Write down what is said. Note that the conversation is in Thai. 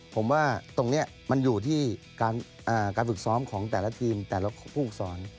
ผมว่าตรงนี้มันอยู่ที่การฝึกซ้อมของแต่ละทีมแต่ละผู้ฝึกสอน